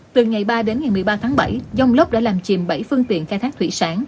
từ ngày ba đến ngày một mươi ba tháng bảy dông lốc đã làm chìm bảy phương tiện khai thác thủy sản